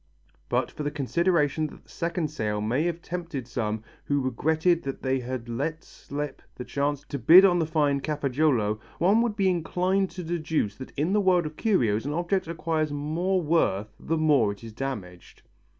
But for the consideration that the second sale may have tempted some who regretted that they had let slip the chance to bid on the fine Cafaggiolo, one would be inclined to deduce that in the world of curios an object acquires more worth the more it is damaged.